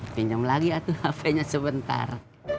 pinjam lagi ya tuh hpnya sebentar